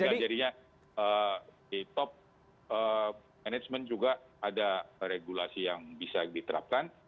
sehingga jadinya di top management juga ada regulasi yang bisa diterapkan